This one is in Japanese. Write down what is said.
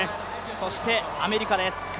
そしてアメリカです。